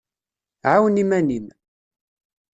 Ɛawen iman-im.